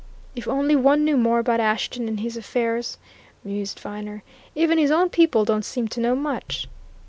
"If only one knew more about Ashton and his affairs!" mused Viner. "Even his own people don't seem to know much."